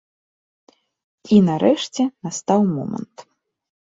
І нарэшце настаў момант.